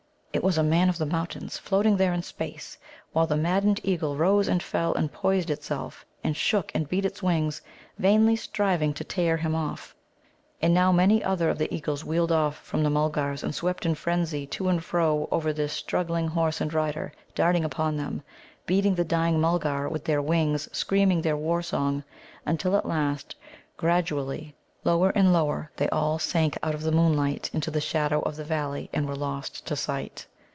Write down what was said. It was a Man of the Mountains floating there in space, while the maddened eagle rose and fell, and poised itself, and shook and beat its wings, vainly striving to tear him off. And now many other of the eagles wheeled off from the Mulgars and swept in frenzy to and fro over this struggling horse and rider, darting upon them, beating the dying Mulgar with their wings, screaming their war song, until at last, gradually, lower and lower they all sank out of the moonlight into the shadow of the valley, and were lost to sight.